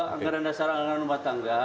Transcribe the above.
anggaran dasar anggaran rumah tangga